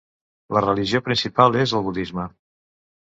La religió principal és el budisme.